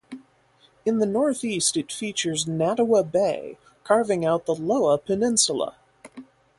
In the northeast it features Natewa Bay, carving out the Loa peninsula.